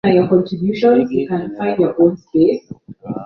Begi limeraruka.